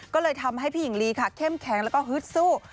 ก็เลยทำให้พี่หญิงลีค่ะเข้มแข็งแล้วก็ฮึดสู้